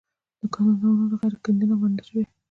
د کانونو غیرقانوني کیندنه بنده شوې